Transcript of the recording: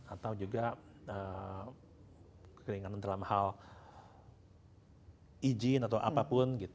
atau juga keringanan dalam hal izin atau apapun